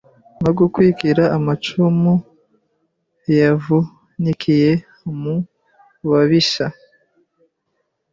no gukwikira amacumu yavunikiye mu babisha